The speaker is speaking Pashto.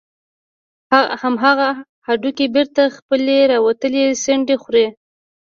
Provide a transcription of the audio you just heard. همغه هډوکى بېرته خپلې راوتلې څنډې خوري.